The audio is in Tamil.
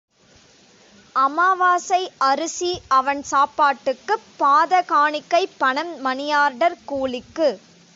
அமாவாசை அரிசி அவன் சாப்பாட்டுக்குப் பாத காணிக்கை பணம் மணியார்டர் கூலிக்கு.